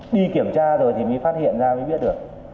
đi kiểm tra rồi thì mới phát hiện ra mới biết được